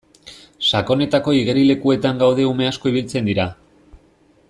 Sakonetako igerilekuetan gaude ume asko ibiltzen dira.